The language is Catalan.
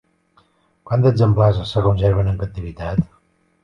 Quants exemplars es conserven en captivitat?